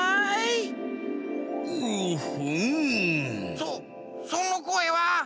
そそのこえは。